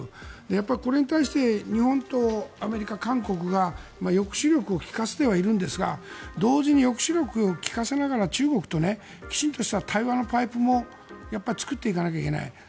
やっぱりこれに対して日本とアメリカ、韓国が抑止力を利かせてはいるんですが同時に抑止力を利かせながら中国ときちんとした対話のパイプも作っていかなきゃいけない。